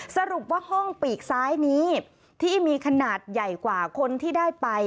สรุปว่าห้องปีกซ้ายนี้ที่มีขนาดใหญ่กว่าคนที่ได้ไป